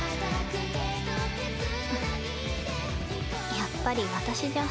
やっぱり私じゃ。